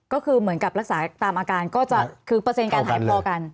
ก็คือเหมือนกับรักษาตามอาการก็จะคือเปอร์เซ็นการหายพอกัน